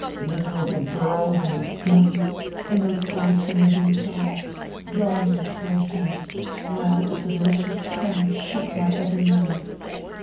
" Miserable girl !" he exclaimed, in those old fami liar tones, drawing me towards him, while a delicious tremor shook my every nerve.